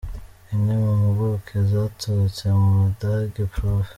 Imwe mu mpuguke zaturutse mu Budage, Prof.